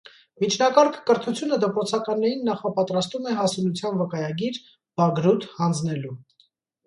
Միջնակարգ կրթությունը դպրոցականներին նախապատրաստում է հասունության վկայագիր (բագրութ) հանձնելու։